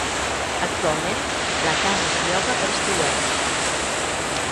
Actualment, la casa es lloga per estiueig.